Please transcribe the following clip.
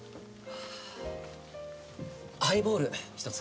ハイボール一つ。